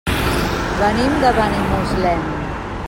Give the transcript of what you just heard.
Venim de Benimuslem.